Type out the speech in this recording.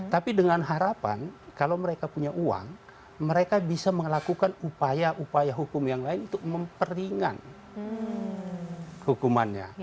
tapi dengan harapan kalau mereka punya uang mereka bisa melakukan upaya upaya hukum yang lain untuk memperingan hukumannya